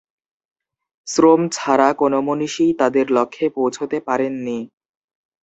শ্রম ছাড়া কোনো মনীষীই তাদের লক্ষ্যে পৌছতে পারেননি।